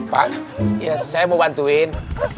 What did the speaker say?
pak ya saya mau bantuin